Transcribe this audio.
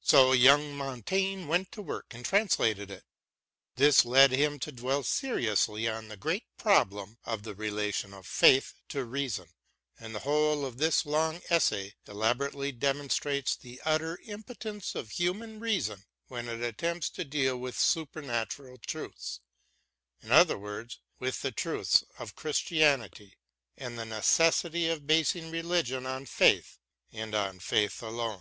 So young Montaigne went to work and trans lated it. This led him to dwell seriously on the great problem of the relation of faith to reason, and the whole of this long essay elaborately demonstrates the utter impotence of human reason when it attempts to deal with supernatural truths — ^in other words, with the truths of Chris tianity, and the necessity for basing religion on faith and on faith alone.